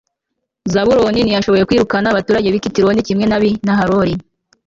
zabuloni ntiyashoboye kwirukana abaturage b'i kitironi kimwe n'ab'i nahaloli